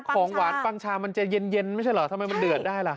ของหวานปังชามันจะเย็นไม่ใช่เหรอทำไมมันเดือดได้ล่ะ